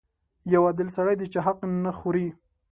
• یو عادل سړی د چا حق نه خوري.